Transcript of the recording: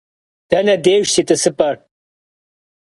Dene dêjj si t'ısıp'er?